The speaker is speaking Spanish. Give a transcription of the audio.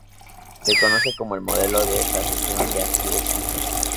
Se conoce como el modelo de tasación de activos fijos.